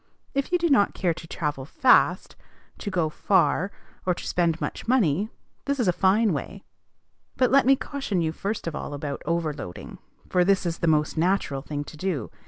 If you do not care to travel fast, to go far, or to spend much money, this is a fine way. But let me caution you first of all about overloading, for this is the most natural thing to do.